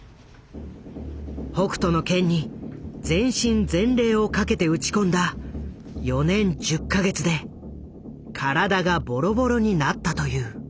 「北斗の拳」に全身全霊をかけて打ち込んだ４年１０か月で体がボロボロになったという。